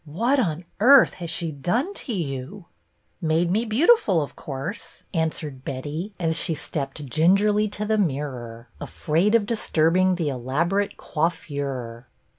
" What on earth has she done to you ?"" Made me beautiful, of course," answered Betty as she stepped gingerly to the mirror, afraid of disturbing the elaborate coiffure.